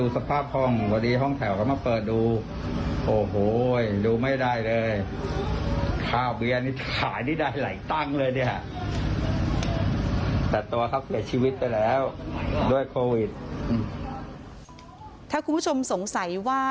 ถ้าคุณผู้ชมสงสัยว่า